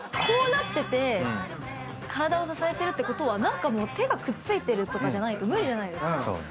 こうなってて体を支えてるってことは手がくっついてるとかじゃないと無理じゃないですか。